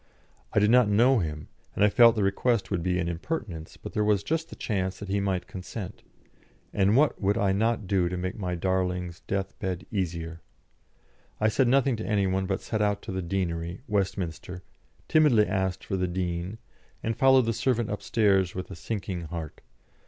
I did not know him, and I felt the request would be an impertinence; but there was just the chance that he might consent, and what would I not do to make my darling's death bed easier? I said nothing to any one, but set out to the Deanery, Westminster, timidly asked for the Dean, and followed the servant upstairs with a sinking heart.